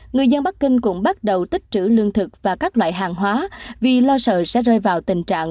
người dân bắc kinh cũng bắt đầu tích trữ lương thực và các loại hàng hóa vì lo sợ sẽ rơi vào tình trạng